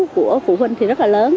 của phụ huynh thì rất là lớn